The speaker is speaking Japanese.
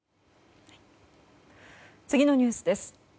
次のニュースです。